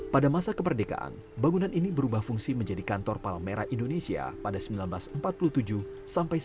pada masa kemerdekaan bangunan ini berubah fungsi menjadi kantor palmerah indonesia pada seribu sembilan ratus empat puluh tujuh sampai seribu sembilan ratus sembilan puluh